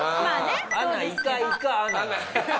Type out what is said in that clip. アナいかいかアナ。